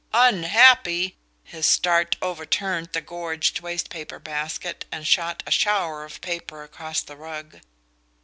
"Unhappy !" His start overturned the gorged waste paper basket and shot a shower of paper across the rug.